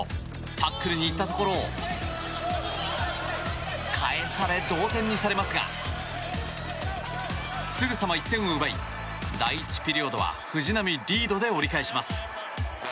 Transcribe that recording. タックルに行ったところを返され、同点にされますがすぐさま１点を奪い第１ピリオドは藤波リードで折り返します。